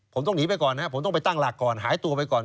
ผมต้องหนีไปก่อนนะครับผมต้องไปตั้งหลักก่อนหายตัวไปก่อน